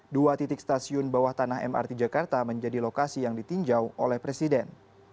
dua titik stasiun bawah tanah mrt jakarta menjadi lokasi yang ditinjau oleh presiden